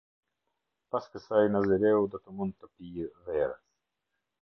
Pas kësaj nazireu do të mund të pijë verë.